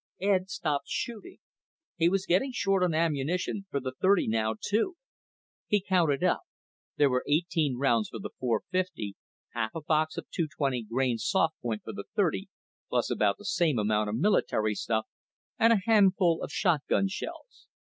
Ed stopped shooting. He was getting short on ammunition for the .30 now, too. He counted up. There were eighteen rounds for the .450, half a box of 220 grain soft point for the .30 plus about the same amount of military stuff, and a handful of shotgun shells.